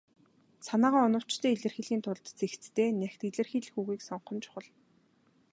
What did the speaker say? Санаагаа оновчтой илэрхийлэхийн тулд цэгцтэй, нягт илэрхийлэх үгийг сонгох нь чухал.